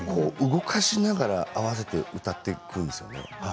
動かしながら合わせて歌っていくんですよね。